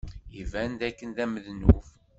Iban dakken d amednub.